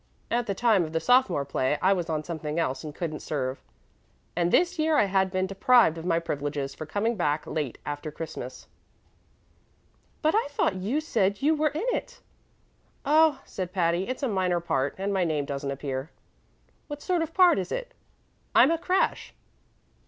At the time of the sophomore play I was on something else and couldn't serve, and this year I had just been deprived of my privileges for coming back late after Christmas." "But I thought you said you were in it?" "Oh," said Patty, "it's a minor part, and my name doesn't appear." "What sort of a part is it?" "I'm a crash."